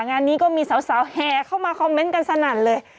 งานนี้ก็มีสาวแห่เข้ามาคอมเมนต์กันสนั่นเลย